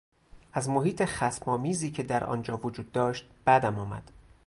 از محیط خصم آمیزی که در آنجا وجود داشت بدم آمد.